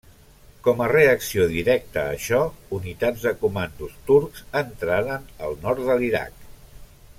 Com a reacció directa a això, unitats de comandos turcs entraren al nord de l'Iraq.